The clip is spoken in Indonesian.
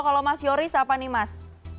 kalau mas yoris apa nih mas